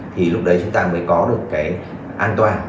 thì lúc đấy chúng ta mới có được cái